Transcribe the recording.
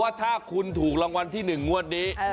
ว่าถ้าคุณถูกรางวัลที่๑งวดนี้